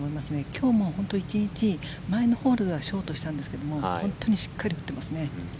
今日も本当に１日、前のホールはショートしたんですが本当にしっかり打っていますね。